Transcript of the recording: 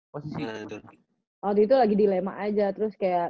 waktu itu lagi dilema aja terus kayak